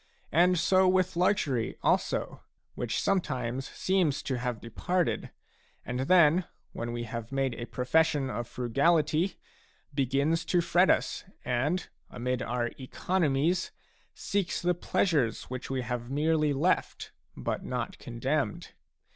And so with luxury, also, which sometimes seems to have departed, and then when we have made a profession of frugality, begins to fret us and, amid our economies, seeks the pleasures which we have merely left but not condemned.